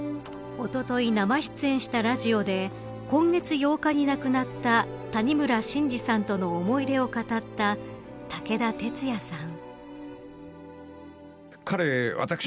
おととい生出演したラジオで今月８日に亡くなった谷村新司さんとの思い出を語った武田鉄矢さん。